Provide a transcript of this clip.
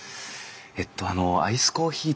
えっとあのアイスコーヒーと。